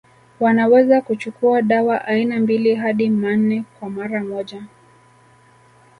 Wanaweza kuchukua dawa aina mbili hadi manne kwa mara moja